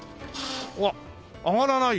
うわっ上がらないよ